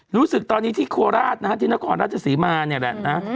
รู้สึกตอนนี้ที่โคราชนะฮะที่นครราชศรีมาเนี่ยแหละนะ